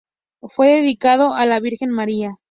Fue dedicado a la Virgen María.